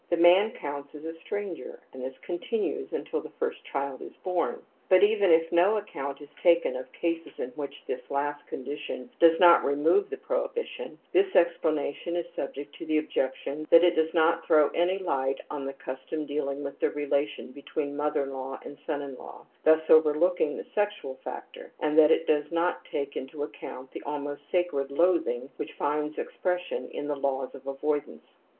The man counts as a stranger, and this continues until the first child is bom. But even if no account is taken of cases in which this last condition does not remove the prohibition, this explanation is subject to the objection that it does not throw any light on the custom dealing with the relation between mother in law and son in law, thus overlooking the sexual factor, and that it does not take into account the almost sacred loathing which finds expression in the laws of avoidance ^^.